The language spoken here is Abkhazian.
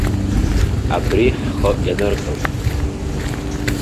Абри ҳхы ианырҟьоит.